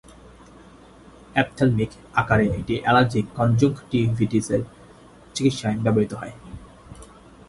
Ophthalmic আকারে এটি allergic কনজুঙ্কটিভিটিসের চিকিৎসায় ব্যবহৃত হয়।